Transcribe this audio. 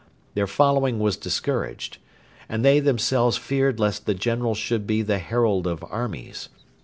Their following was discouraged, and they themselves feared lest the General should be the herald of armies.